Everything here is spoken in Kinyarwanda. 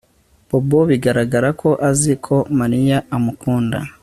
Bobo biragaragara ko azi ko Mariya amukunda